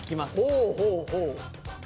ほうほうほう！